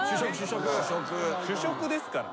主食ですから。